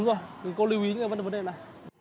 đúng rồi cô lưu ý cái vấn đề này